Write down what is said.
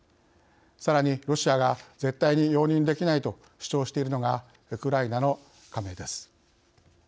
さらに、ロシアが絶対に容認できないと主張しているのがウクライナの加盟です。